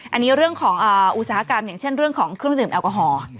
อันนี้เรื่องของอุตสาหกรรมอย่างเช่นเรื่องของเครื่องดื่มแอลกอฮอล์